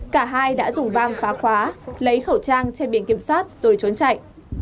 cả hai đã dùng băng phá khóa lấy khẩu trang trên biển kiểm soát rồi trốn chạy